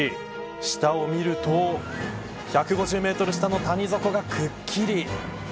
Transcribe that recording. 下を見ると１５０メートル下の谷底がくっきり。